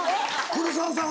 黒沢さん